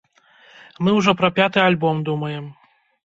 Мы ўжо пра пяты альбом думаем.